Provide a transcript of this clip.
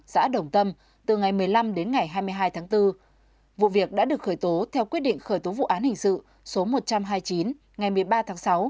xã đồng tâm từ ngày một mươi năm đến ngày hai mươi hai tháng bốn vụ việc đã được khởi tố theo quyết định khởi tố vụ án hình sự số một trăm hai mươi chín ngày một mươi ba tháng sáu